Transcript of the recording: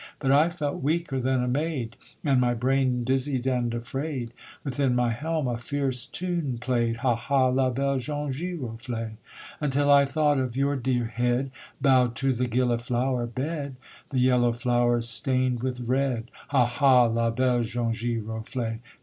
_ But I felt weaker than a maid, And my brain, dizzied and afraid, Within my helm a fierce tune play'd, Hah! hah! la belle jaune giroflée. Until I thought of your dear head, Bow'd to the gilliflower bed, The yellow flowers stain'd with red; _Hah! hah! la belle jaune giroflée.